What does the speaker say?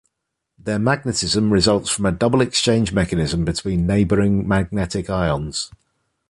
Their magnetism results from a double-exchange mechanism between neighboring magnetic ions.